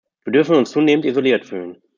Wir dürfen uns zunehmend isoliert fühlen.